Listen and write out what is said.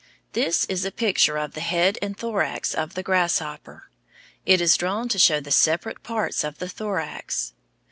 This is a picture of the head and thorax of the grasshopper. It is drawn to show the separate parts of the thorax.